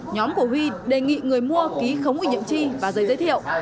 nhóm của huy đề nghị người mua ký khống ủy nhiệm tri và giấy giới thiệu